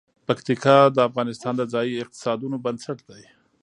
پکتیکا د افغانستان د ځایي اقتصادونو بنسټ دی.